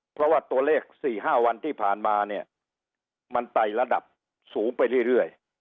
เพราะว่าตัวเลข๔๕วันที่ผ่านมาเนี่ยมันไต่ระดับสูงไปเรื่อย